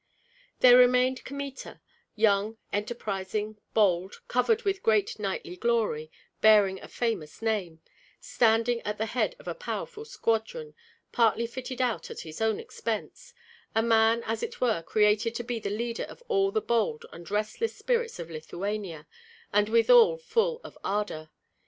There remained Kmita, young, enterprising, bold, covered with great knightly glory, bearing a famous name, standing at the head of a powerful squadron, partly fitted out at his own expense, a man as it were created to be the leader of all the bold and restless spirits in Lithuania, and withal full of ardor.